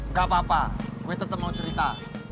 gak apa apa gue tetep mau cerita